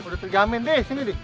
udah trigamin deh sini nih